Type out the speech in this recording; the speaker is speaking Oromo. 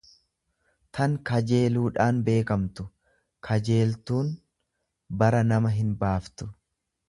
tan kajeeluudhaan beekamtu; Kajeel tuun bara nama hinbaaftu.